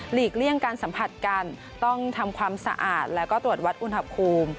เลี่ยงการสัมผัสกันต้องทำความสะอาดแล้วก็ตรวจวัดอุณหภูมิ